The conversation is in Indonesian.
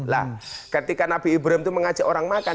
lah ketika nabi ibrahim itu mengajak orang makan